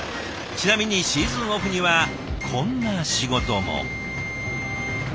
ちなみにシーズンオフにはこんな仕事も。